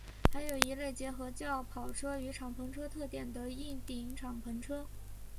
还有一类结合轿跑车与敞篷车特点的硬顶敞篷车。